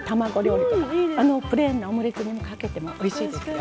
あのプレーンなオムレツにもかけてもおいしいですよ。